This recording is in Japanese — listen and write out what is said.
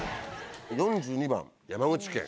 ４２番山口県。